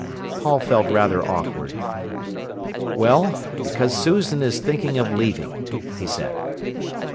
Paul felt rather awkward. "Well, because Susan is thinking of leaving," he said.